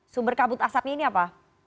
sumber kabut asapnya ini apa